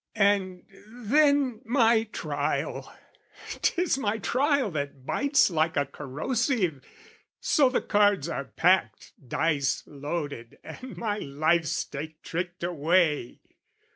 And then my Trial, 'tis my Trial that bites Like a corrosive, so the cards are packed, Dice loaded, and my life stake tricked away!